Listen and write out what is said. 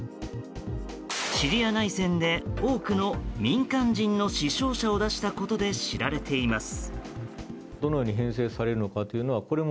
シリア内戦で、多くの民間人の死傷者を出したことで知られています。